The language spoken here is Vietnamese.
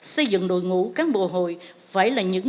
xây dựng đội ngũ cán bộ hội phải là những